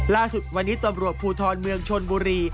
ล่าสุดวันนี้ตำรวจภูทรเมืองชนบุรี